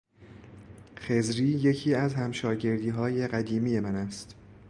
خضری یکی از همشاگردیهای قدیمی من است.